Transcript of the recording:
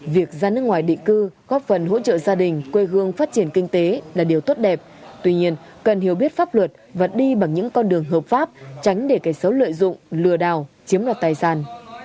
việc ra nước ngoài định cư góp phần hỗ trợ gia đình quê hương phát triển kinh tế là điều tốt đẹp tuy nhiên cần hiểu biết pháp luật và đi bằng những con đường hợp pháp tránh để kẻ xấu lợi dụng lừa đảo chiếm đoạt tài sản